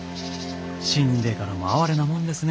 死んでからもあわれなもんですね